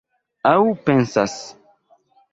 Aŭ pensas.